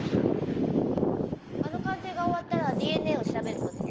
あの鑑定が終わったらＤＮＡを調べるそうです。